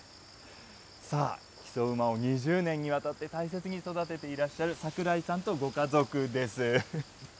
さあ、木曽馬を２０年にわたって大切に育てていらっしゃる櫻井さんとご家族です。